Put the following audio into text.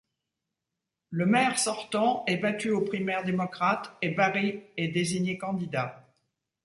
Le maire sortant est battu au primaire démocrate et Barry est désigné candidat.